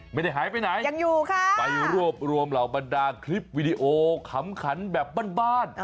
ไม่ได้หายไปไหนไปรวบรวมเหล่าบรรดาคลิปวิดีโอคำขันแบบบ้าน